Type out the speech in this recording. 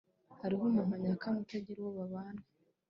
hariho umuntu nyakamwe utagira uwo babana